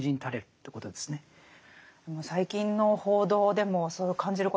最近の報道でもそう感じることありますよね。